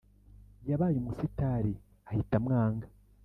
Yabaye umusitari ahita amwanga